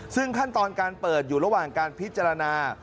ซึ่งขั้นตอนการเปิดอยู่ระหว่างการพิจารณา